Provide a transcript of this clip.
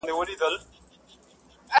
پر موږ راغلې توره بلا ده٫